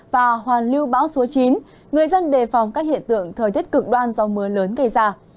và hoàn lưu bão số chín người dân đề phòng các hiện tượng thời tiết cực đoan do mưa lớn gây ra